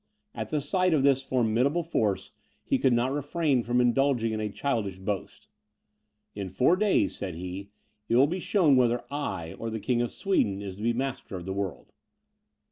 At the sight of this formidable force, he could not refrain from indulging in a childish boast: "In four days," said he, "it will be shown whether I or the King of Sweden is to be master of the world."